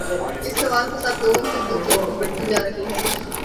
اس سوال کے ساتھ لوگوں کی دلچسپی بڑھتی جا رہی ہے۔